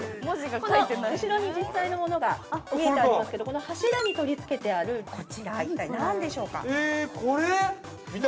◆この後ろに実際のものが見えてありますけど、この柱に取り付けてあるこちら、一体何でしょうか。